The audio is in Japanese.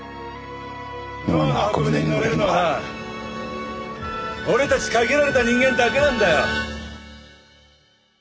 ノアの箱舟に乗れるのは俺たち限られた人間だけなんだよ。